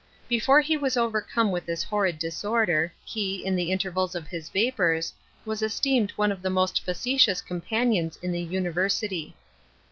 Before he was overcome with this horrid disorder, he, in the intervals of his vapours, was esteemed one of the most facetious companions in the University.